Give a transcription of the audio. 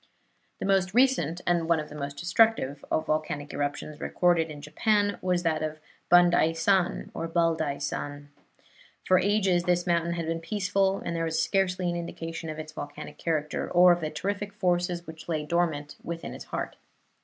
The most recent and one of the most destructive of volcanic eruptions recorded in Japan was that of Bandaisan or Baldaisan. For ages this mountain had been peaceful, and there was scarcely an indication of its volcanic character or of the terrific forces which lay dormant deep within its heart.